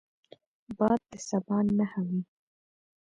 باد د سبا نښه وي